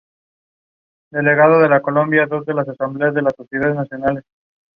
She then fights Rousseau (Cara Buono) but she is subdued and sedated.